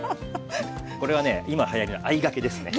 これはね今はやりのあいがけですね。